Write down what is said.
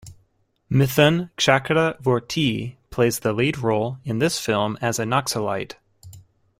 Mithun Chakraborty plays the lead role in this film as a Naxalite.